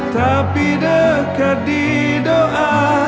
tapi dekat di doa